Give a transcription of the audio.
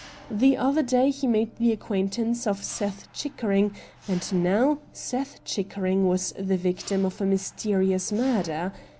The other day he made the acquaintance of Seth Chick ering, and now Seth Chickering was the victim of a mysterious murder.